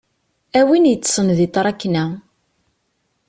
A win yeṭṭsen di tṛakna.